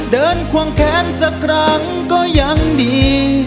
เดินขวังแขนสักครั้งก็อย่างดี